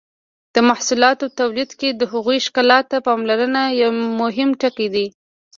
د محصولاتو تولید کې د هغوی ښکلا ته پاملرنه یو مهم ټکی دی.